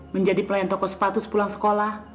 menjadi pelayan toko sepatu sepulang sekolah